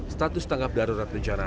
status tanggap darurat bencana